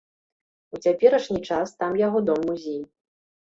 У цяперашні час там яго дом-музей.